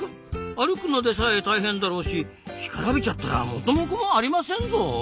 歩くのでさえ大変だろうし干からびちゃったら元も子もありませんぞ。